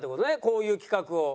こういう企画を。